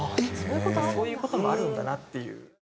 そういう事もあるんだなっていう。